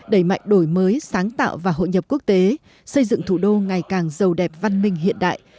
đẩy mạnh đổi mới sáng tạo và hội nhập quốc tế xây dựng thủ đô ngày càng giàu đẹp văn minh hiện đại